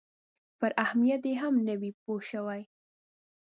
پر اهمیت یې هم نه وي پوه شوي.